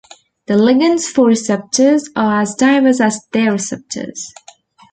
The ligands for receptors are as diverse as their receptors.